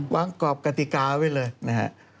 กรอบกติกาไว้เลยนะฮะ